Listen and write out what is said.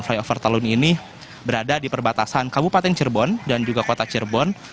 flyover talun ini berada di perbatasan kabupaten cirebon dan juga kota cirebon